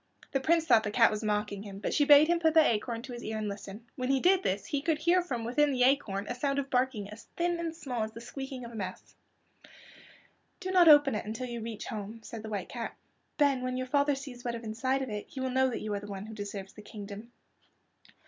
The Prince thought the cat was mocking him, but she bade him put the acorn to his ear and listen. When he did this he could hear from within the acorn a sound of barking as thin and small as the squeaking of a mouse. "Do not open it until you reach home," said the White Cat. "Then, when your father sees what is inside of it he will know that you are the one who deserves the kingdom."